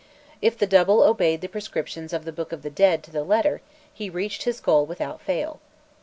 If the double obeyed the prescriptions of the "Book of the Dead" to the letter, he reached his goal without fail.